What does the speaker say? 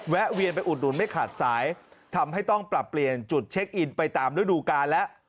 แวนไปอุดหนุนไม่ขาดสายทำให้ต้องปรับเปลี่ยนจุดเช็คอินไปตามฤดูกาลแล้ว